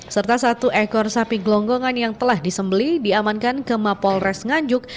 serta satu ekor sapi gelonggongan yang telah disembeli diamankan ke mapol res nganjuk